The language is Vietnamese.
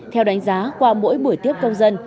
theo đánh giá qua mỗi buổi tiếp công dân